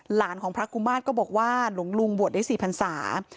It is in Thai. หลานของพระกุมาตรก็บอกว่าหลวงลุงบวชได้๔พันศา